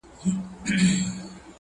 او داسې لکه چې